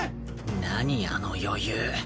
何あの余裕。